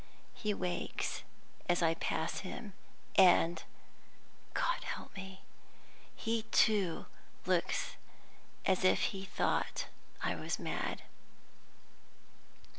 He wakes as I pass him; and (God help me!) he too looks as if he thought I was mad.